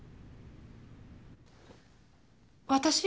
私？